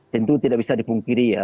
tentu tidak bisa dipungkiri ya